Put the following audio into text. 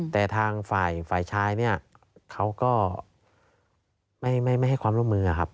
แต่ทางฝ่ายชายเนี่ยเขาก็ไม่ให้ความร่วมมือครับ